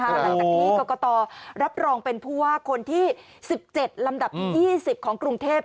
หลังจากที่กรกตรับรองเป็นผู้ว่าคนที่๑๗ลำดับ๒๐ของกรุงเทพ